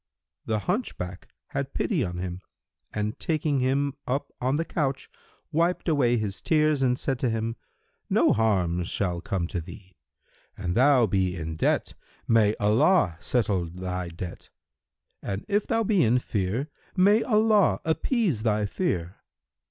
The hunchback had pity on him and taking him up on the couch, wiped away his tears and said to him, "No harm shall come to thee. An thou be in debt, may Allah settle thy debt: and if thou be in fear, may Allah appease thy fear!"